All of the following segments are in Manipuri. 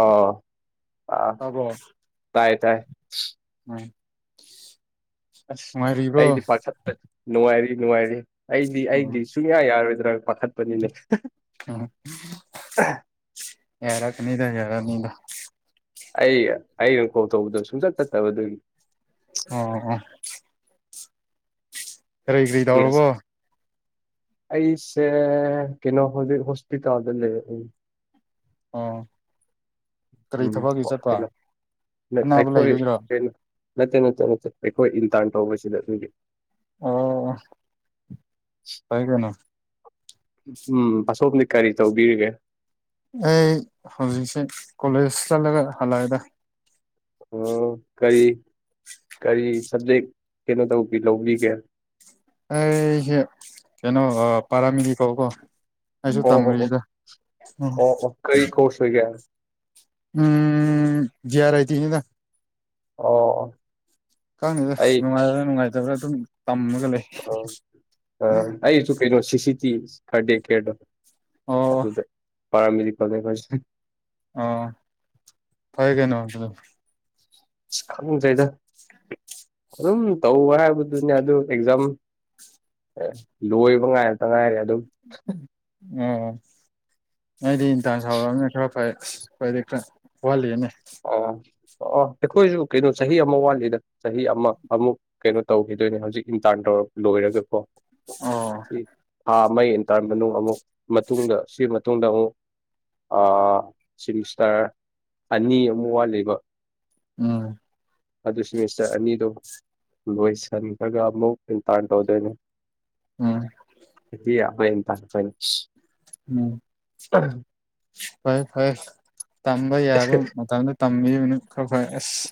ꯑꯣ ꯑ ꯇꯥꯕ꯭ꯔꯣ ꯇꯥꯏ ꯇꯥꯏ ꯎꯝ ꯑꯁ ꯅꯨꯡꯉꯥꯏꯔꯤꯕ꯭ꯔꯣ ꯑꯩꯗꯤ ꯄꯥꯛꯁ ꯅꯨꯡꯉꯥꯏꯔꯤ ꯅꯨꯡꯉꯥꯏꯔꯤ ꯑꯩꯗꯤ ꯎꯝ ꯑꯩꯗꯤ ꯁꯨꯡꯌꯥ ꯌꯥꯔꯣꯏꯗ꯭ꯔꯥ ꯄꯥꯊꯠꯄꯅꯤꯅꯦ ꯌꯥꯔ ꯀꯅꯤꯗ ꯌꯥꯔ ꯅꯗ ꯑꯩ ꯑꯩꯅ ꯀꯣꯜ ꯇꯧꯕꯗꯣ ꯁꯨꯡꯆꯠ ꯆꯠꯇꯕꯗꯨꯒꯤ ꯑꯣ ꯑ ꯀꯔꯤ ꯀꯔꯤ ꯎꯝ ꯑꯁ ꯇꯧꯔꯕꯣ ꯑꯩꯁꯦ ꯀꯩꯅꯣ ꯍꯧꯖꯤꯛ ꯍꯣꯁꯄꯤꯇꯥꯜꯗ ꯂꯩ ꯑꯩ ꯑꯥ ꯎꯝ ꯍꯣꯏ ꯀꯩꯅꯣ ꯑꯅꯥꯕ ꯑꯩꯈꯣꯏ ꯂꯩꯕꯒꯤꯔꯣ ꯀꯩꯅꯣ ꯅꯠꯇꯦ ꯅꯠꯇꯦ ꯅꯠꯇꯦ ꯑꯩꯈꯣꯏ ꯏꯟꯇꯥꯟ ꯇꯧꯕꯁꯤꯗ ꯑꯗꯨꯒꯤ ꯑꯣ ꯀꯥꯏ ꯀꯥꯏꯅ ꯎꯝ ꯑꯁꯣꯝꯗꯤ ꯀꯔꯤ ꯇꯧꯕꯤꯔꯤꯒꯦ ꯑꯩ ꯍꯧꯖꯤꯛꯁꯦ ꯀꯣꯂꯦꯖ ꯆꯠꯂꯒ ꯍꯜꯂꯛꯑꯦꯗ ꯑꯣ ꯀꯔꯤ ꯀꯔꯤ ꯁꯕꯖꯦꯛ ꯀꯩꯅꯣ ꯇꯧꯕꯤ ꯂꯧꯕꯤꯒꯦ ꯑꯩ ꯀꯩꯅꯣ ꯄꯔꯥꯃꯤꯂꯤ ꯀ ꯀꯣ ꯑꯩꯁꯨ ꯑꯣ ꯑꯣ ꯑꯣ ꯇꯝꯃꯤꯔꯤꯗ ꯎ ꯑꯣ ꯑꯣ ꯀꯔꯤ ꯀꯣꯔꯁ ꯑꯣꯏꯒꯦ ꯑꯣ ꯎꯝ ꯖꯤ ꯑꯔꯥꯏꯇꯗ ꯑꯣ ꯈꯪꯅꯤꯗ ꯑꯩ ꯅꯨꯡꯉꯥꯏꯕ꯭ꯔꯥ ꯅꯨꯡꯉꯥꯏꯖꯕ꯭ꯔꯥ ꯑꯗꯨꯝ ꯂꯩ ꯑꯣ ꯑ ꯑꯩꯁꯨ ꯀꯩꯅꯣ ꯁꯤꯁꯤꯤ ꯊꯔꯗꯦ ꯀꯦꯗ ꯑꯗꯨ ꯑꯣ ꯑꯗꯨꯗ ꯄꯔꯥꯃꯦꯦꯗꯤꯀꯦꯜꯁ ꯑ ꯐ ꯀꯩꯅꯣ ꯑꯗꯨꯗ ꯀꯥꯃ ꯆꯗ ꯑꯗꯨꯝ ꯇꯧꯕ ꯍꯥꯏꯕꯗꯨꯅꯦ ꯑꯗꯨ ꯑꯦꯛꯖꯥꯝ ꯑꯦ ꯂꯣꯏꯕ ꯉꯥꯏꯔꯛꯇ ꯉꯥꯏꯔꯦ ꯑꯗꯨꯝ ꯑꯣ ꯅꯗꯤ ꯏꯟꯗꯥꯥꯡ ꯁꯥꯎꯔꯛꯑꯕꯅ ꯈꯔ ꯐꯗꯤ ꯈꯔ ꯋꯥꯜꯂꯤꯅꯦ ꯑꯣ ꯑꯣ ꯑꯣ ꯑꯩꯈꯣꯏꯁꯨ ꯀꯩꯅꯣ ꯆꯍꯤ ꯑꯃ ꯋꯥꯠꯂꯤꯗ ꯆꯍꯤ ꯑꯃ ꯑꯃꯨꯛ ꯀꯩꯅꯣ ꯇꯧꯈꯤꯗꯣꯏꯅꯦ ꯍꯧꯖꯤꯛ ꯏꯟꯇꯥꯔꯟ ꯇꯧꯔ ꯂꯣꯏꯔꯒꯦꯀꯣ ꯑꯣ ꯃꯩ ꯏꯟ ꯇ ꯑꯃꯨꯛ ꯃꯇꯨꯡꯗ ꯁꯤ ꯃꯇꯨꯡꯗ ꯑꯃꯨꯛ ꯁꯤꯃꯤꯁꯇꯔ ꯑꯅꯤ ꯑꯃ ꯋꯥꯠꯂꯤꯕ ꯎꯝ ꯑꯗꯨꯁꯨ ꯃꯤꯁꯇꯔ ꯑꯅꯤꯗꯨꯣ ꯂꯣꯏꯁꯤꯟꯈ꯭ꯔꯒ ꯑꯃꯨꯛ ꯏꯟꯇꯔꯟ ꯇꯧꯗꯣꯏꯅꯦ ꯎꯝ ꯍꯕ ꯇꯄꯅꯤ ꯎꯝ ꯑ ꯐꯔꯦ ꯐꯔꯦ ꯇꯝꯕ ꯌꯥꯕ ꯃꯇꯝꯗ ꯇꯝꯕꯤꯕꯅ ꯐ ꯐꯣꯏ ꯑꯁ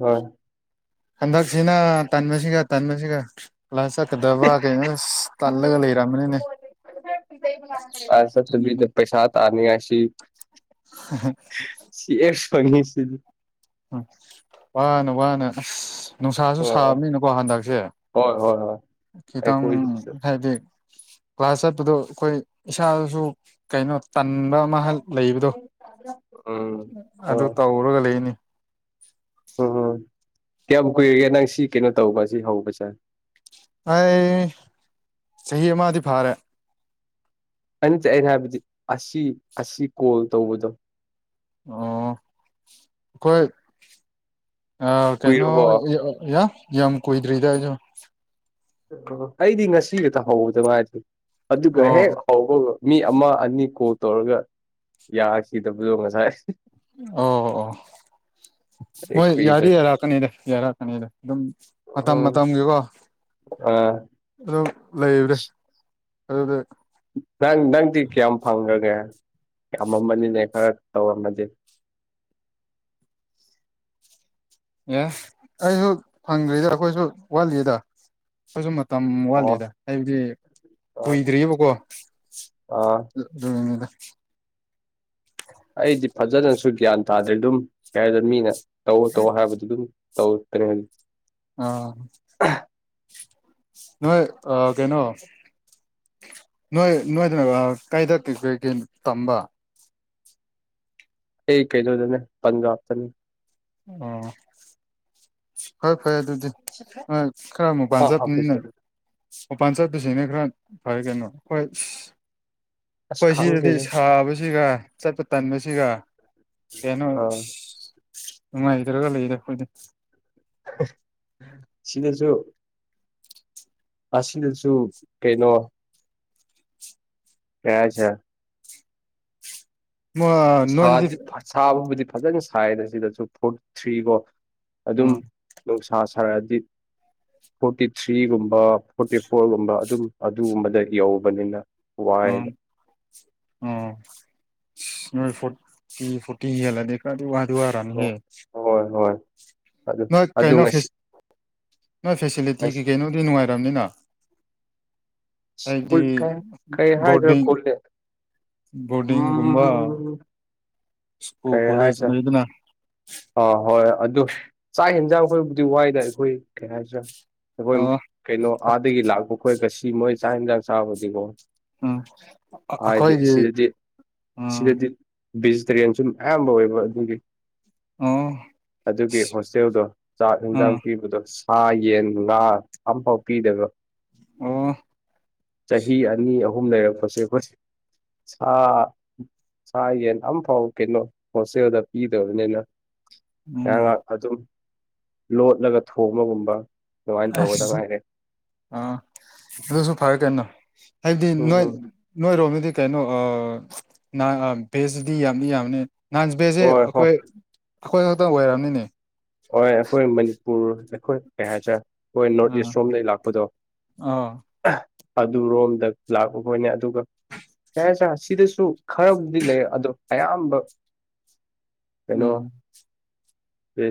ꯍꯣꯏ ꯍꯟꯗꯛꯁꯤꯅ ꯇꯟꯁꯤꯒ ꯇꯟꯕꯁꯤꯒ ꯂꯂ ꯆꯀꯗꯕ ꯀꯅꯦ ꯇꯜꯒ ꯂꯩꯔꯃꯅꯤꯅꯦ ꯑꯁ ꯊ ꯄꯩꯁꯥꯗ ꯑꯅꯤ ꯑꯁꯤ [unintelligible] ꯐꯪꯅꯤꯁꯤ ꯎꯝ ꯋꯥꯅ ꯋꯥꯅ ꯑꯁ ꯅꯨꯡꯁꯥꯁꯨ ꯍꯣꯏ ꯁꯥꯕꯅꯤꯅꯀꯣ ꯍꯟꯗꯛꯁꯦ ꯍꯣꯏ ꯍꯣꯏ ꯍꯣꯏ ꯈꯤꯇꯪ ꯑꯩꯈꯣꯏꯗꯁꯨ ꯍꯥꯏꯗꯤ ꯀ꯭ꯂꯥꯁ ꯍꯥꯏꯇꯗ ꯑꯩꯈꯣꯏ ꯏꯁꯥꯗꯁꯨ ꯀꯩꯅꯣ ꯇꯟꯕ ꯑꯃ ꯂꯩꯕꯗꯣ ꯎꯝ ꯑꯗꯨ ꯑꯣ ꯇꯧꯔꯒ ꯂꯩꯅꯤ ꯎꯝ ꯎꯝ ꯀꯌꯥꯝ ꯀꯨꯏꯔꯒꯦ ꯅꯪ ꯁꯤ ꯀꯩꯅꯣ ꯇꯧꯕ ꯁꯤ ꯍꯧꯕꯁꯦ ꯑꯩ ꯆꯍꯤ ꯑꯃꯗꯤꯗꯤ ꯐꯥꯔꯦ ꯑꯩꯅ ꯆꯠꯅ ꯍꯥꯏꯕꯗꯤ ꯑꯁꯤ ꯑꯁꯤ ꯀꯣꯜ ꯇꯧꯕꯗꯣ ꯑꯣ ꯑꯩꯈꯣꯏ ꯑ ꯀꯩꯅꯣ ꯀꯨꯏꯔꯕꯣ ꯌꯥꯝ ꯀꯨꯏꯗ꯭ꯔꯤꯗ ꯑꯩꯁꯨ ꯑꯣ ꯑꯩꯗꯤ ꯉꯁꯤ ꯈꯇ ꯍꯧꯕꯗ ꯃꯥꯗꯦ ꯑꯗꯨꯒ ꯍꯦꯛ ꯑꯣ ꯍꯧꯕꯒ ꯃꯤ ꯑꯃ ꯑꯅꯤ ꯀꯣꯜ ꯇꯧꯔꯒ ꯌꯥꯈꯤꯗꯕꯗꯣ ꯉꯁꯥꯏ ꯑꯣ ꯑꯣ ꯍꯣꯏ ꯌꯥꯔꯤ ꯀꯨꯏꯗ꯭ꯔꯦ ꯌꯥꯔꯛꯀꯅꯤꯗ ꯌꯥꯔꯛꯀꯅꯤꯗ ꯑꯗꯨꯝ ꯃꯇꯝ ꯎꯝ ꯃꯇꯝꯒꯤꯀꯣ ꯑꯥ ꯑꯗꯨꯝ ꯂꯩꯕ꯭ꯔꯦ ꯑꯗꯨꯗꯤ ꯑꯃꯃꯝꯕꯅꯤꯅꯦ ꯈꯔ ꯇꯧꯔꯝꯃꯗꯤꯦ ꯑꯦ ꯑꯩꯁꯨ ꯐꯪꯗ꯭ꯔꯤꯗ ꯑꯩꯈꯣꯏꯁꯨ ꯋꯥꯠꯂꯤꯗ ꯑꯩꯁꯨ ꯑꯣ ꯋꯥꯠꯂꯤꯗ ꯍꯥꯏꯕꯗꯤ ꯑꯥ ꯀꯨꯏꯗ꯭ꯔꯤꯌꯦꯕꯀꯣ ꯑꯥ ꯑꯗꯨꯅꯤꯗ [unintelligible] ꯑꯩꯗꯤ ꯐꯖꯅꯁꯨ ꯒ꯭ꯌꯥꯟ ꯇꯥꯗ꯭ꯔꯦ ꯑꯗꯨꯝ ꯀꯩ ꯍꯥꯏꯗꯣꯏꯅꯣ ꯃꯤꯅ ꯇꯧꯑꯣ ꯇꯧꯑꯣ ꯍꯥꯏꯕꯗꯣ ꯑꯗꯨꯝ ꯇꯧꯇ꯭ꯔꯦ ꯑ ꯅꯣꯏ ꯑ ꯀꯩꯅꯣ ꯅꯣꯏ ꯅꯣꯏꯗꯅ ꯀꯩꯗ ꯄꯤꯖꯒꯦ ꯇꯝꯕ ꯑꯩ ꯀꯩꯅꯣꯗꯅꯦ ꯄꯟꯖꯥꯞ ꯇꯥꯅꯦ ꯑꯣ ꯍꯣꯏ ꯐꯩ ꯑꯗꯨꯗꯤ ꯈꯔ ꯑꯃꯨꯛ ꯑꯥ ꯑꯥ ꯄꯥꯟꯖꯅꯤꯅ ꯄꯩꯁꯥꯗꯣ [unintelligible] ꯃꯄꯥꯟ ꯆꯠꯄꯁꯤꯅ ꯈꯔ ꯐꯔꯦ ꯀꯩꯅꯣ ꯍꯣꯏ ꯑꯁ ꯑꯩꯈꯣꯏ ꯁꯤꯗꯗꯤ ꯈꯪꯗꯦꯗ ꯁꯥꯕꯁꯤꯒ ꯆꯠꯄ ꯇꯟꯕꯁꯤꯒ ꯀꯩꯅꯣ ꯑꯥ ꯅꯨꯡꯉꯥꯏꯖꯔꯒ ꯂꯩꯗꯦ ꯑꯩꯈꯣꯏꯗꯤ ꯁꯤꯗꯁꯨ ꯑꯁꯤꯗꯁꯨ ꯀꯩꯅꯣ ꯀꯖ ꯁꯥ ꯅꯣꯏꯗꯗꯤ ꯁꯥ ꯐꯖꯅ ꯁꯥꯏꯅ ꯁꯤꯗꯁꯨ ꯐꯣꯔꯇꯤ ꯊ꯭ꯔꯤꯒꯣ ꯑꯗꯨꯝ ꯎꯝ ꯅꯨꯡꯁꯥ ꯊꯔꯗꯤꯞ ꯐꯣꯔꯇꯤ ꯊ꯭ꯔꯤꯒꯨꯝꯕ ꯐꯣꯔꯇꯤ ꯐꯣꯔꯒꯨꯝꯕ ꯑꯗꯨꯝ ꯑꯗꯨꯒꯨꯝꯕꯗ ꯌꯧꯕꯅꯤꯅ ꯎꯝ ꯋꯥꯏꯗ ꯎꯝ ꯅꯣꯏ ꯐꯣꯔꯇꯤ ꯐꯣꯔꯇꯤ ꯍꯦꯜꯂꯗꯤ ꯈꯔꯗꯤ ꯋꯥꯗꯤ ꯋꯥꯔꯅꯤ ꯑꯣ ꯍꯦ ꯍꯣꯏ ꯍꯣꯏ ꯑꯗꯨ ꯅꯣꯏ ꯑꯗꯨ ꯀꯩꯅꯣ ꯉꯁꯤ ꯅꯣꯏ ꯐꯦꯁꯤꯂꯤꯇꯤꯒꯤ ꯉꯁꯤ ꯀꯩꯅꯣꯗꯤ ꯅꯨꯡꯉꯥꯏꯔꯝꯅꯤꯅ ꯑꯩꯗꯤ ꯁ꯭ꯀꯨꯜ ꯀꯩ ꯀꯩ ꯍꯥꯏꯗ꯭ꯔꯥ ꯕꯣꯔꯗꯤꯡ ꯀꯣꯜꯂꯦ ꯕꯣꯔꯗꯤꯡꯒꯨꯝꯕ ꯎꯝ ꯁ꯭ꯀꯨꯜ ꯀꯣꯂꯦꯖ ꯂꯩꯗꯅ ꯑ ꯍꯣꯏ ꯑꯗꯨ ꯆꯥꯛ ꯌꯦꯟꯖꯥꯡ ꯑꯩꯈꯣꯏꯕꯨꯗꯤ ꯋꯥꯏꯗ ꯑꯩꯈꯣꯏ ꯀꯩ ꯍꯥꯏꯁꯤꯔ ꯑꯩꯈꯣꯏ ꯑꯣ ꯀꯩꯅꯣ ꯑꯥꯗꯒꯤ ꯂꯥꯛꯄ ꯈꯣꯏ ꯉꯁꯤ ꯃꯣꯏ ꯆꯥꯛ ꯏꯟꯁꯥꯡ ꯆꯥꯕꯗꯤꯀꯣ ꯎꯝ ꯑꯗꯤ ꯑꯩꯈꯣꯏꯒꯤ ꯁꯤꯗꯗꯤ ꯎꯝ ꯁꯤꯗꯗꯤ ꯚꯦꯖꯤꯇꯦꯔꯤꯌꯥꯟ ꯁꯨ ꯑꯌꯥꯝꯕ ꯑꯣꯏꯕ ꯑꯗꯨꯒꯤ ꯑꯣ ꯑꯗꯨꯒꯤ ꯍꯣꯁꯇꯦꯜꯗꯣ ꯆꯥꯛ ꯏꯟꯁꯥꯡ ꯎꯝ ꯄꯤꯕꯗꯣ ꯁꯥ ꯌꯦꯟ ꯉꯥ ꯑꯝꯐꯥꯎ ꯄꯤꯗꯕ ꯑꯣ ꯆꯍꯤ ꯑꯅꯤ ꯑꯍꯨꯝ ꯂꯩꯔꯛꯄꯁꯦ ꯁꯥ ꯁꯥ ꯌꯦꯟ ꯑꯝꯐꯥꯎ ꯀꯩꯅꯣ ꯍꯣꯁꯇꯦꯜꯗ ꯄꯤꯗꯕꯅꯤꯅ ꯉꯥꯏꯍꯥꯛ ꯎꯝ ꯉꯥꯏꯍꯥꯛ ꯑꯗꯨꯝ ꯂꯣꯠꯂꯒ ꯊꯣꯡꯕꯒꯨꯝꯕ ꯑꯗꯨꯃꯥꯏꯅ ꯇꯧꯕꯗ ꯉꯥꯏꯔꯦ ꯑꯥ ꯑꯗꯨꯁꯨ ꯐꯔꯦ ꯀꯩꯅꯣ ꯍꯥꯏꯕꯗꯤ ꯅꯣꯏ ꯎꯝ ꯅꯣꯏꯔꯣꯝꯅꯗꯤ ꯀꯩꯅꯣ ꯚꯦꯖ꯭ꯁꯇꯗꯤ ꯌꯥꯝꯗꯤ ꯌꯥꯝꯕꯅꯤ ꯅꯥꯟ ꯚꯦꯖ꯭ꯁꯁꯦ ꯍꯣꯏ ꯍꯣꯏ ꯑꯩꯈꯣꯏ ꯑꯩꯈꯣꯏ ꯈꯛꯇꯪ ꯑꯣꯏꯔꯝꯃꯤꯅꯦ ꯍꯣꯏ ꯑꯩꯈꯣꯏ ꯃꯅꯤꯄꯨꯔ ꯑꯩꯈꯣꯏ ꯀꯩ ꯍꯥꯏ ꯍꯣꯏ ꯅꯣꯔꯠ ꯏꯁ ꯑꯥ ꯔꯣꯝꯗꯩ ꯂꯥꯛꯄꯗꯣ ꯑꯗꯨꯔꯣꯝꯗ ꯂꯥꯛꯄ ꯍꯣꯏꯅꯦ ꯑꯗꯨꯒ ꯌꯥꯔꯦꯗ ꯁꯤꯗꯁꯨ ꯈꯔꯕꯨꯗꯤ ꯂꯩ ꯑꯗꯣ ꯑꯌꯥꯝꯕ ꯎꯝ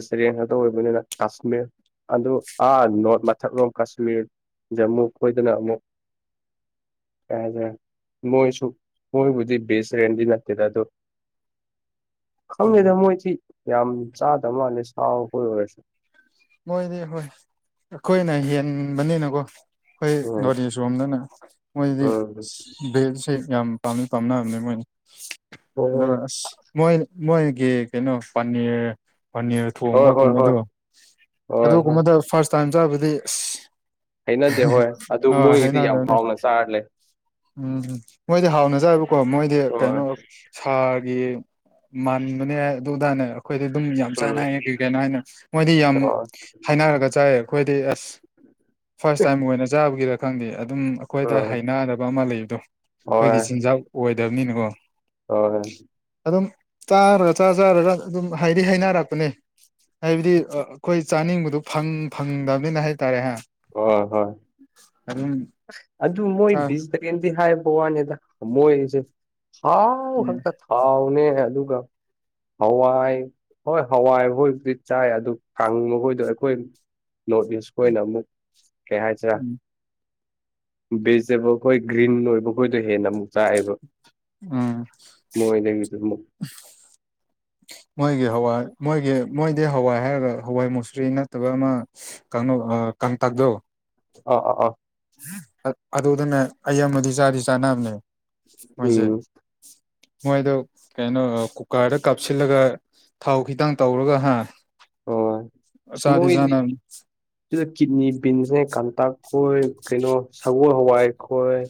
ꯁꯩꯔꯦꯡ ꯈꯛꯇ ꯑꯣꯏꯕꯅꯤꯅ ꯀꯥꯁꯃꯤꯔ ꯑꯗꯨ ꯑꯥ ꯅꯣꯔꯠ ꯃꯊꯛꯂꯣꯝ ꯀꯥꯁꯃꯤꯔ ꯖꯃꯨ ꯈꯣꯏꯗꯅ ꯑꯃꯨꯛ ꯀꯔꯦ [unintelligible] ꯃꯣꯏꯁꯨ ꯃꯣꯏꯕꯨꯗꯤ ꯚꯦꯁꯇꯔꯦꯟꯗꯤ ꯅꯠꯇꯦꯗ ꯑꯗꯣ [unintelligible] ꯈꯪꯗꯦꯗ ꯎꯝ ꯃꯣꯏꯗꯤ ꯌꯥꯝ ꯆꯥꯗꯃꯅꯦ ꯁꯥꯎ ꯀꯣ ꯃꯣꯏꯗꯤ ꯍꯣꯏ ꯑꯩꯈꯣꯏꯅ ꯍꯦꯟꯕꯅꯤꯅꯀꯣ ꯑꯩꯈꯣꯏ ꯎꯝ ꯅꯣꯔꯤ ꯁꯣꯝꯗꯅ ꯃꯣꯏꯗꯤ ꯎꯝ ꯚꯦꯜꯁꯤ [unintelligible] ꯌꯥꯝ ꯄꯥꯝꯃꯤ ꯄꯥꯝꯅꯕꯅꯦ ꯃꯣꯏꯅꯤ ꯍꯣꯏ ꯑꯗꯨꯒ ꯍꯣꯏ ꯑꯁ ꯃꯣꯏ ꯃꯣꯏꯒꯤ ꯀꯩꯅꯣ ꯄꯅꯤꯔ ꯄꯅꯤꯔ ꯍꯣꯏ ꯍꯣꯏ ꯊꯣꯡꯕꯒꯨꯝꯕꯗꯣ ꯍꯣꯏ ꯍꯣꯏ ꯍꯣꯏ ꯑꯗꯨꯒꯨꯝꯕꯗ ꯐꯥꯔꯁ ꯇꯥꯏꯝ ꯆꯥꯕꯗꯤ ꯑꯁ ꯍꯩꯅꯗꯦ ꯍꯣꯏ ꯑꯗꯨ ꯑ ꯃꯣꯏꯒꯤꯗꯤ ꯌꯥꯝ ꯍꯥꯏꯅꯗꯅꯦ ꯍꯥꯎꯅ ꯆꯥꯔ ꯂꯩ ꯎꯝꯝ ꯃꯣꯏꯗꯤ ꯍꯥꯎꯅ ꯑꯣꯖꯕꯀꯣ ꯃꯣꯏꯗꯤ ꯍꯣꯏ ꯀꯩꯅꯣ ꯁꯥꯒꯤ ꯃꯟꯗꯨꯅꯦ ꯍꯥꯏ ꯑꯗꯨꯗꯥꯅꯦ ꯑꯩꯈꯣꯏꯗ ꯑꯗꯨꯝ ꯌꯥꯝ ꯎꯝ ꯆꯥꯟꯅꯏ ꯀ ꯀꯅꯣ ꯍꯥꯏꯅ ꯃꯣꯏꯗꯤ ꯌꯥꯝ ꯍꯣꯏ ꯍꯥꯏꯅꯔꯒ ꯆꯥꯏꯌꯦ ꯑꯩꯈꯣꯏꯗꯤ ꯑꯁ ꯐꯥꯔꯁ ꯇꯥꯏꯝ ꯑꯣꯏꯅ ꯆꯥꯕꯒꯤꯔ ꯈꯪꯗꯦ ꯑꯗꯨꯝ ꯑꯩꯈꯣꯏꯗ ꯎꯝ ꯍꯩꯅꯗꯕ ꯑꯃ ꯂꯩꯕꯗꯣ ꯍꯣꯏ ꯑꯩꯈꯣꯏꯒꯤ ꯆꯤꯟꯖꯥꯛ ꯑꯣꯏꯗꯕꯅꯤꯅꯀꯣ ꯍꯣꯏ ꯑꯗꯨꯝ ꯆꯥꯔ ꯆꯥ ꯆꯥꯔꯒ ꯑꯗꯨꯝ ꯍꯥꯏꯗꯤ ꯍꯩꯅꯔꯛꯄꯅꯦ ꯍꯥꯏꯕꯗꯤ ꯆꯥꯅꯤꯡꯕꯗꯨ ꯐꯪ ꯐꯪꯗꯕꯅꯤꯅ ꯍꯥꯏꯇꯥꯔꯦ ꯍꯥ ꯑꯣ ꯍꯣꯏ ꯑꯗꯨꯝ ꯑꯗꯨ ꯃꯣꯏ ꯆꯥ ꯕꯤꯁ ꯇ [unintelligible] ꯀꯗꯤ ꯍꯥꯏꯕ ꯋꯥꯅꯤꯗ ꯃꯣꯏꯁꯦ ꯊꯥꯎ ꯎꯝ ꯍꯪꯇꯛ ꯊꯥꯎꯅꯦ ꯑꯗꯨꯒ ꯍꯋꯥꯏ ꯍꯣꯏ ꯍꯋꯥꯏ ꯍꯣꯏꯕꯨꯗꯤ ꯆꯥꯏ ꯑꯗꯨ ꯈꯥꯡꯕꯈꯣꯏꯗꯣ [unintelligible] ꯑꯩꯈꯣꯏ ꯅꯣꯔꯠ ꯏꯁ ꯑꯣꯏꯅ ꯑꯃꯨꯛ ꯀꯩ ꯍꯥꯏꯁꯤꯔꯥ ꯎꯝ ꯚꯦꯖꯤꯇꯦꯕꯜ ꯈꯣꯏ ꯒ꯭ꯔꯤꯟ ꯑꯣꯏꯕ ꯈꯣꯏꯗꯣ ꯍꯦꯟꯅ ꯑꯃꯨꯛ ꯆꯥꯛꯑꯦꯕ ꯎꯝ ꯃꯣꯏꯗꯒꯤꯗꯨ ꯑꯃꯨꯛ ꯃꯣꯏꯒꯤ ꯍꯋꯥꯏ ꯃꯣꯏꯒꯤ ꯃꯣꯏꯗꯤ ꯍꯋꯥꯏ ꯍꯥꯏꯔꯒ ꯍꯋꯥꯏ ꯃꯨꯁꯔꯤ ꯅꯠꯇ꯭ꯔꯒ ꯑꯃ ꯀꯥꯡꯂꯨꯞꯇ ꯑꯗꯨꯣ ꯑ ꯑ ꯑ ꯑꯗꯨꯗꯅꯦ ꯑꯩ ꯑꯃꯗꯤ ꯆꯥꯗꯤ ꯆꯥꯅꯕꯅꯦ ꯃꯣꯏꯁꯦ ꯎꯝ ꯃꯣꯏꯗꯣ ꯀꯩꯅꯣ ꯀꯨꯀꯔꯗ ꯀꯥꯞꯁꯤꯜꯂꯒ ꯊꯥꯎ ꯈꯤꯇꯪ ꯇꯧꯔꯒ ꯍꯥ ꯑꯣ ꯆꯥꯗꯤ ꯃꯣꯏꯗꯤ ꯆꯥꯅꯕꯅꯤ ꯁꯤꯗ ꯀꯤꯠꯅꯤ ꯄꯤꯟꯁꯦ ꯀꯥꯡꯇꯛ ꯈꯣꯏ ꯀꯩꯅꯣ ꯁꯒꯣꯜ ꯍꯋꯥꯏ ꯈꯣꯏ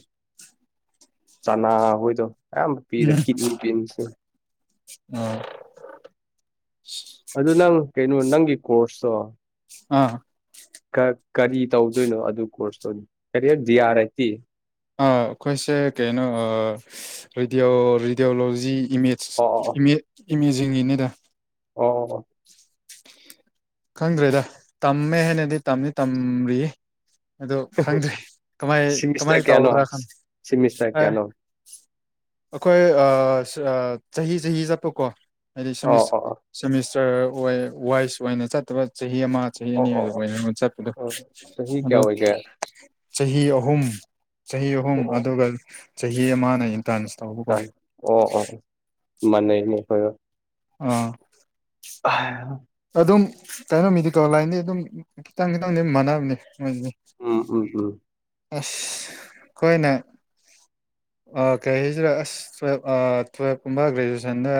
ꯆꯅꯥ ꯍꯣꯏꯗꯣ ꯑꯌꯥꯝꯕ ꯄꯤꯗ ꯎꯝ ꯀꯤꯠꯅꯤ ꯕꯤꯟꯁ ꯁꯦ ꯑꯥ ꯑꯗꯨ ꯅꯪ ꯀꯩꯅꯣ ꯅꯪꯒꯤ ꯀꯣꯔꯁꯇꯣ ꯑꯥ ꯀꯔꯤ ꯇꯧꯗꯣꯏꯅꯣ ꯑꯗꯨ ꯀꯣꯔꯁꯇꯣ ꯗꯥꯏꯔꯦꯛ ꯗꯤꯌꯥꯥꯔ ꯑꯦꯇꯤ ꯑꯩꯈꯣꯏꯁꯦ ꯀꯩꯅꯣ ꯔꯦꯗꯤꯌꯣ ꯔꯦꯗꯤꯑꯣꯂꯣꯖꯤ ꯏꯃꯦꯖ ꯑꯣ ꯑꯣ ꯏꯃꯦꯖꯤꯡꯒꯤꯅꯤꯗ ꯑꯣ ꯈꯪꯗ꯭ꯔꯦꯗ ꯇꯝꯃꯦ ꯍꯥꯏꯅꯗꯤ ꯇꯝꯗꯤ ꯇꯝꯔꯤꯌꯦ ꯑꯗꯨ ꯈꯪꯗ꯭ꯔꯤ ꯀꯃꯥꯏ ꯀꯃꯥꯏ ꯁꯤꯃꯤꯁꯇꯔ ꯀꯌꯥꯅꯣ ꯇꯧꯒꯗ꯭ꯔꯥ ꯈꯪꯗ ꯁꯤꯃꯤꯁꯇꯔ ꯀꯌꯥꯅꯣ ꯑꯩꯈꯣꯏ ꯆꯍꯤ ꯆꯍꯤ ꯆꯠꯄꯀꯣ ꯍꯥꯏꯗꯤ ꯑꯣ ꯁꯃꯤꯁ ꯑꯣ ꯑꯣ ꯁꯃꯤꯁ ꯋꯥꯏꯁ ꯑꯣꯏꯅ ꯆꯠꯇꯕ ꯆꯍꯤ ꯑꯃ ꯆꯍꯤ ꯑꯣ ꯑꯅꯤ ꯑꯣ ꯑꯗꯨ ꯑꯣ ꯑꯣꯏꯅ ꯆꯠꯄꯗꯣ ꯑꯣ ꯆꯍꯤ ꯀꯌꯥ ꯑꯗꯣ ꯑꯣꯏꯒꯦ ꯆꯍꯤ ꯑꯍꯨꯝ ꯆꯍꯤ ꯑꯍꯨꯝ ꯑꯣ ꯑꯗꯨꯒ ꯆꯍꯤ ꯑꯃꯅ ꯏꯟꯇꯔꯟꯁ ꯇꯧꯕꯀꯣ ꯇ ꯑꯣ ꯑꯣ ꯃꯟꯅꯩꯅꯦ ꯑꯩꯈꯣꯏꯒꯥ ꯑꯥ ꯍ ꯑꯗꯨꯝ ꯀꯩꯅꯣ ꯃꯤꯗꯤ ꯇꯣ ꯂꯥꯏꯟꯗꯤ ꯑꯗꯨꯝ ꯈꯤꯇꯪ ꯈꯤꯇꯪꯗꯤ ꯑꯗꯨꯝ ꯃꯥꯟꯅꯕꯅꯦ ꯎꯝ ꯎꯝ ꯎꯝ ꯑꯁ ꯀꯣꯏꯅ ꯀꯩ ꯍꯥꯏꯁꯤꯔ ꯑꯁ ꯇꯨꯌꯦꯞ ꯇꯨꯌꯦꯜꯞꯀꯨꯝꯕ ꯒ꯭ꯔꯦꯖꯨꯑꯦꯁꯟꯗ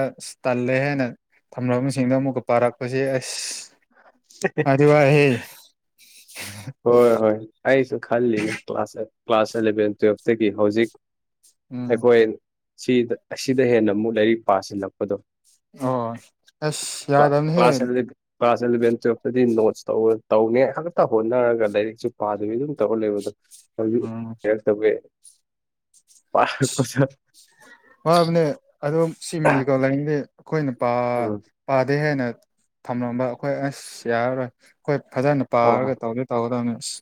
ꯇꯜꯂꯦ ꯍꯥꯏꯅ ꯊꯝꯅꯕꯁꯤꯡꯗꯣ ꯑꯃꯨꯛꯀ ꯄꯥꯔꯛꯄꯁꯦ ꯑꯁ ꯋꯥꯗꯤ ꯋꯥꯏꯍꯦ ꯍꯣꯏ ꯍꯣꯏ ꯑꯩꯁꯨ ꯈꯜꯂꯤꯅꯦ ꯀ꯭ꯂꯥꯁ ꯀ꯭ꯂꯥꯁ ꯑꯦꯂꯚꯦꯟ ꯇꯨꯋꯦꯜꯐꯇꯒꯤ ꯍꯧꯖꯤꯛ ꯎꯝ ꯑꯩꯈꯣꯏ ꯁꯤꯗ ꯑꯁꯤꯗ ꯍꯦꯟꯅ ꯑꯃꯨꯛ ꯂꯥꯏꯔꯤꯛ ꯄꯥꯁꯤꯜꯂꯛꯄꯗꯣ ꯑꯣ ꯑꯁ ꯄ ꯄꯁ ꯌꯥꯗꯕꯅꯤꯍꯦ ꯀ꯭ꯂꯥꯁ ꯑꯦꯂꯚꯦꯟ ꯇꯨꯋꯦꯜꯞꯇꯗꯤ ꯅꯣꯠꯁ ꯇꯧ ꯇꯧꯅꯦ ꯈꯛꯇ ꯇꯧ ꯍꯣꯠꯅꯔꯒ ꯂꯥꯏꯔꯤꯛꯁꯨ ꯄꯥꯗꯕꯤ ꯑꯗꯨꯝ ꯇꯧꯍꯜꯂꯦꯕꯗꯣ ꯎꯝ [unintelligible] ꯋꯥꯕꯅꯦ ꯑꯗꯨꯝ ꯁꯤꯃꯤꯁꯦꯀꯣ ꯂꯩꯥꯏꯔꯤꯅꯤꯡꯗꯦ ꯑꯩꯈꯣꯏꯅꯥ ꯄꯥ ꯎꯝ ꯄꯥꯗꯦ ꯍꯦꯟꯅ ꯊꯝꯂꯝꯕ ꯑꯩꯈꯣꯏ ꯑꯁ ꯌꯥꯔꯔꯣꯏ ꯑꯩꯈꯣꯏ ꯐꯖꯅ ꯄꯥꯔꯒ ꯇꯧꯗꯤ ꯇꯧꯒꯗꯕꯅꯤ ꯑꯁ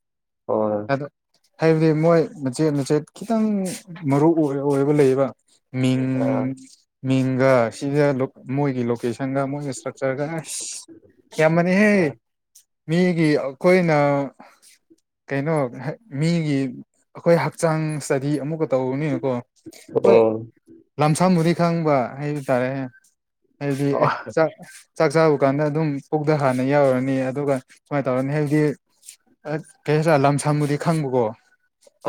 ꯍꫭꯏ ꯑꯗꯣ ꯍꯥꯏꯕꯗꯤ ꯃꯣꯏ ꯃꯆꯦꯠ ꯃꯆꯦꯠ ꯈꯤꯇꯪ ꯃꯔꯨ ꯑꯣꯏ ꯑꯣꯏꯔꯕ ꯂꯩꯕ ꯃꯤꯡ ꯑꯥ ꯃꯤꯡꯒ ꯁꯤꯗ ꯃꯣꯏꯒꯤ ꯂꯣꯀꯦꯁꯟ ꯁꯪꯒꯥ ꯃꫭꯏ ꯏꯟꯁꯇ꯭ꯔꯛꯆꫪꯒ ꯌꯥꯝꯕꯅꯤꯍꯦ ꯑꯥ ꯃꯤꯒꯤ ꯑꯩꯈꯣꯏꯅ ꯀꯩꯅꯣ ꯃꯤꯒꯤ ꯑꯩꯈꯣꯏ ꯍꯛꯆꯥꯡ ꯏꯁꯇꯗꯤ ꯑꯃꯨꯛꯀ ꯇꯧꯕꯅꯤꯀꯣ ꯍꯣꯏ ꯎꯝ ꯂꯝꯁꯪꯕꯨꯗꯤ ꯈꯪꯕ ꯍꯥꯏꯕ ꯇꯥꯔꯦ ꯍꯥꯏꯕꯗꯤ ꯑꯦ ꯆ ꯆꯥꯛ ꯆꯥꯔ ꯀꯥꯟꯗ ꯑꯗꯨꯝ ꯄꯨꯛꯇꯥ ꯍꯥꯟꯅ ꯌꯥꯎꯔꯅꯤ ꯑꯗꯨꯒ ꯁꯨꯃꯥꯏꯅ ꯇꯧꯔꯅꯤ ꯍꯥꯏꯕꯗꯤ ꯑꯦ ꯀꯩꯔ ꯂꯝ ꯁꯪꯕꯨꯗꯤ ꯈꯪꯕꯀꯣ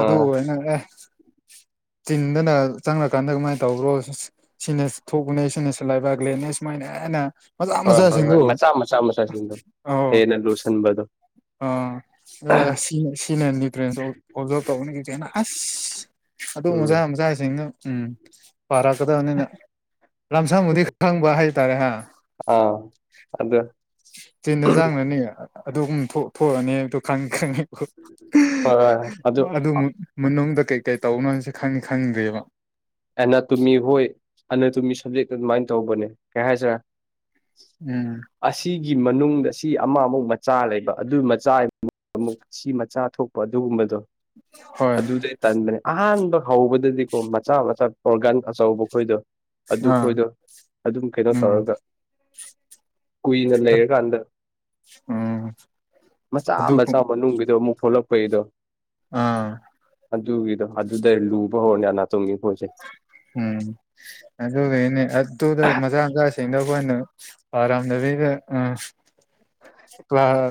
ꯑꯗꯨ ꯑꯥ ꯅꯪ ꯑꯦ ꯆꯤꯟꯗꯅ ꯆꯪꯉꯀꯥꯟꯗ ꯀꯃꯥꯏꯅ ꯇꯧꯕ꯭ꯔꯣ ꯁꯤꯅꯁꯨ ꯊꯣꯛꯄꯅꯦ ꯁꯤꯅꯁꯨ ꯂꯥꯏꯕ ꯒ꯭ꯂꯦꯅꯦ ꯁꯨꯃꯥꯏꯅ ꯍꯥꯏꯅ ꯃꯆꯥ ꯍꯣꯏ ꯍꯣꯏ ꯍꯣꯏ ꯃꯆꯥꯁꯤꯡꯗꯨ ꯃꯆꯥ ꯃꯆꯥ ꯃꯆꯥꯁꯤꯡꯗꯣ ꯑ ꯍꯦꯟꯅ ꯂꯨꯁꯟꯕꯗꯣ [unintelligible] ꯑꯗꯨ ꯎꯝ ꯃꯖꯥ ꯃꯖꯥꯁꯤꯡꯅ ꯎꯝ ꯄꯥꯔꯛꯀꯗꯕꯅꯤꯅ ꯂꯝꯁꯥꯝꯕꯨꯗꯤ ꯈꯪꯕ ꯍꯥꯏꯇꯥꯔꯦ ꯍꯥ ꯑꯥ ꯑꯗꯨ ꯆꯤꯟꯖ ꯆꯥꯡꯅꯅꯤ ꯑꯗꯨꯨꯝ ꯊꯣꯛꯑꯅꯤꯗ ꯈꯪ ꯈꯅꯤ ꯍꯣꯏ ꯍꯣꯏ ꯑꯗꯨ ꯃꯅꯨꯡꯗ ꯀꯩ ꯀꯩ ꯇꯧꯅꯣ ꯍꯥꯏꯁꯤ ꯈꯪ ꯈꯪꯗ꯭ꯦꯕ ꯁꯞꯖꯦꯛꯇꯨ ꯑꯗꯨꯃꯥꯏꯅ ꯇꯧꯕꯅꯦ ꯀꯩ ꯍꯥꯏꯁꯤꯔ ꯎꯝ ꯒꯤ ꯃꯅꯨꯡꯗ ꯁꯤ ꯑꯃꯃꯨꯛ ꯃꯆꯥ ꯂꯩꯕ ꯑꯗꯨ ꯃꯆꯥ ꯑꯃꯨꯛ ꯁꯤ ꯃꯆꯥ ꯊꯣꯛꯄ ꯑꯗꯨꯒꯨꯝꯕꯗꯣ ꯍꯣꯏ ꯑꯗꯨꯗꯩ ꯇꯟꯕꯅꯦ ꯑꯍꯥꯟꯕ ꯍꯧꯕꯗꯗꯤꯀꯣ ꯃꯆꯥ ꯆ ꯑꯣꫪꯒꯥꯟ ꯑꯆꯧꯕ ꯑꯩꯈꯣꯏꯗꯣ ꯑꯗꯨ ꯑꯥ ꯈꯣꯏꯗꯣ ꯑꯗꯨꯝ ꯀꯩꯅꯣ ꯎꯝ ꯇꯧꯔꯒ ꯀꯨꯏꯅ ꯂꯩꯔꯀꯥꯟꯗ ꯎꯝ ꯃꯆꯥ ꯑꯗꯨ ꯃꯆꯥ ꯃꯅꯨꯡꯒꯤꯗꯣ ꯑꯃꯨꯛ ꯊꯣꯛꯂꯛꯄꯩꯗꯣ ꯑꯥ ꯑꯗꯨꯒꯤꯗꯣ ꯑꯗꯨꯗꯩ ꯂꯨꯕ ꯍꯧꯔꯅꯤ ꯑꯅꯇꯣꯃꯤꯒꯤ ꯄꫭꯠꯁꯦ ꯎꯝ ꯑꯗꯨꯅꯦ ꯑꯗꯨꯗ ꯃꯆꯥ ꯃꯆꯥ ꯊꯦꯡꯅꯕꯑꫭꯏꯅ ꯄꯥꯔꯝꯗꯕꯤꯗ ꯑꯥ ꯀ꯭꯭ꯂꯥꯁ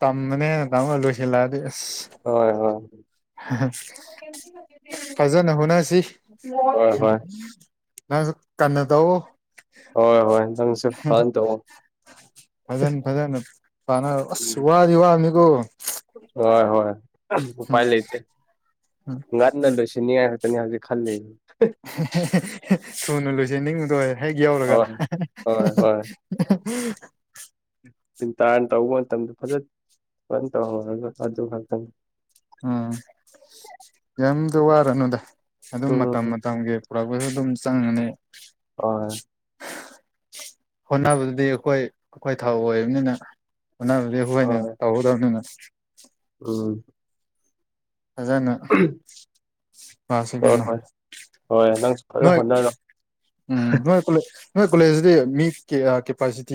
ꯇꯃꯃꯥꯅꯦ ꯇꯝꯃ ꯂꯣꯏꯁꯤꯜ ꯂꯛꯑꯗꯤ ꯍꯣꯏ ꯍꯣꯏ ꯍꯥ ꯍꯥ ꯐꯖꯅ ꯍꯣꯠꯅꯁꯤ ꯍꯣꯏ ꯍꯣꯏ ꯅꯪꯁꯨ ꯀꯟꯅ ꯇꯧꯑꯣ ꯍꯣꯏ ꯍꯣꯏ ꯅꯪꯁꯤ ꯐꯥꯟ ꯇꯧꯑꯣ ꯐꯖꯅ ꯐꯖꯅ ꯄꯥꯅꯔꫭ ꯑꯁ ꯎꯝ ꯋꯥꯗꯤ ꯋꯥꯕꯅꯤꯀꯣ ꯍꯣꯏ ꯍꯣꯏ ꯎꯝ ꯎꯄꯥꯏ ꯂꯩꯇꯦ ꯎꯝ ꯉꯟꯅ ꯂꯣꯏꯁꯤꯟꯅꯤꯉꯥꯏ ꯈꯛꯇꯅꯤ ꯍꯧꯖꯤꯛ ꯈꯜꯂꯤ ꯍꯦ ꯍꯦ ꯍꯦ ꯍꯦ ꯊꯨꯅ ꯂꯣꯏꯁꯟꯅꯤꯡꯕꯗꯣ ꯍꯦꯛ ꯍꯣꯏ ꯌꯧꯔꯒ ꯍꯦ ꯍꯦ ꯍꯦ ꯍꯦ ꯍꯦ ꯇꯤꯟꯇꯥꯅ ꯇꯧꯕ ꯃꯇꯝꯗ ꯐꯖ ꯐꯥ ꯇꯧꯍꯧꯔꯒ ꯑꯗꯨ ꯈꯛꯇꯅꯤ ꯎꯝ ꯌꯥꯝꯗꯤ ꯋꯥꯔꯨꯅꯨꯗ ꯑꯗꯨꯝ ꯃꯇꯝ ꯎꯝ ꯃꯇꯝꯒꯤ ꯄꯨꯔꯛꯄꯁꯨ ꯑꯗꯨꯝ ꯆꯪꯒꯅꯤ ꯍꯣꯏ ꯍꯣꯠꯅꯕꯗꯨꯗꯤ ꯑꯩꯈꯣꯏ ꯑꯩꯈꯣꯏ ꯊꯥꯎ ꯑꯣꯏꯕꯅꯤꯅ ꯍꯣꯠꯅꯕꯗꯤ ꯑꯩꯈꯣꯏꯅ ꯍꯣꯏ ꯇꯧꯍꯧꯗꯧꯅꯤꯅ ꯎꯝ ꯐꯖꯅ ꯍꯁꯤ ꯍꯣꯏ ꯀꯅꯣ ꯍꯣꯏ ꯍꯣꯏ ꯅꯪꯁꯨ ꯐꯖꯅ ꯅꯣꯏ ꯍꯣꯠꯅꯔꯣ ꯎꯝ ꯅꯣꯏ ꯀꯂ ꯅꯣꯏ ꯀꯣꯂꯦꯖꯁꯤꯗꯤ ꯃꯤ ꯀꯦꯄꯥꯁꯤꯇꯤ